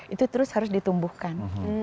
itu terus harus ditumbuhkan